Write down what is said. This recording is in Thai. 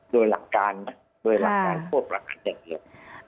โดยหลักการโทษประหารอย่างเดียว